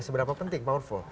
seberapa penting powerful